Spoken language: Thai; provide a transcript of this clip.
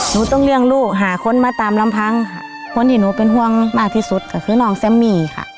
หนูต้องเลี้ยงลูกหาคนมาตามลำพังค่ะคนที่หนูเป็นห่วงมากที่สุดก็คือน้องแซมมี่ค่ะ